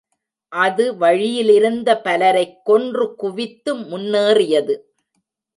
அது வழியிலிருந்த பலரைக் கொன்று குவித்து முன்னேறியது.